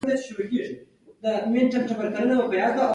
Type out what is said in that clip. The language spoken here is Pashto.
د داوود خان جنګياليو حرکت وکړ.